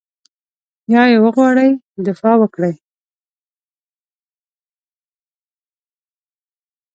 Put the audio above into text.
یا یې وغواړي دفاع وکړي.